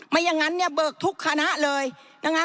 อย่างนั้นเนี่ยเบิกทุกคณะเลยนะคะ